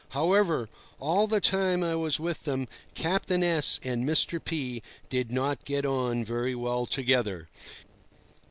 However, all the time I was with them, Captain S— and Mr. P— did not get on very well together.